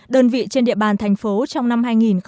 đơn vị trên địa bàn thành phố trong năm hai nghìn một mươi bảy